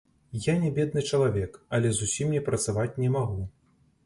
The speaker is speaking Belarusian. Я не бедны чалавек, але зусім не працаваць не магу.